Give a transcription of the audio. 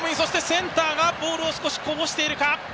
センターがボールを少しこぼしていた。